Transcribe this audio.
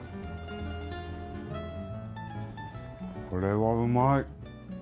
これはうまい。